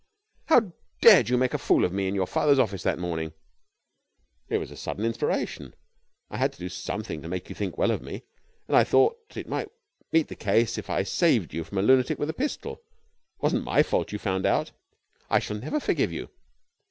"How dared you make a fool of me in your father's office that morning?" "It was a sudden inspiration. I had to do something to make you think well of me, and I thought it might meet the case if I saved you from a lunatic with a pistol. It wasn't my fault that you found out." "I shall never forgive you!"